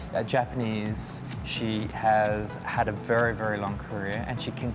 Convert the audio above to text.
dia jepang dia memiliki karier yang sangat panjang